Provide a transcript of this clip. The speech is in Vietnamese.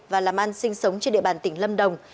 và làm ăn sinh sống trên địa bàn tỉnh lâm đồng